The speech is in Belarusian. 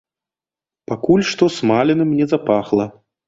Пакуль што смаленым не запахла.